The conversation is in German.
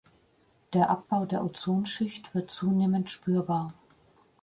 Der Abbau der Ozonschicht wird zunehmend spürbar.